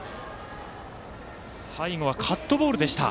最後はカットボールでした。